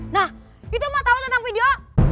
nah itu emak tau tentang video